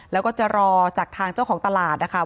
แล้วก็จะรอจากทางเจ้าของตลาดนะคะ